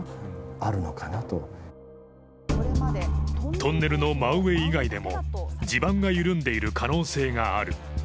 トンネルの真上以外でも地盤が緩んでいる可能性がある。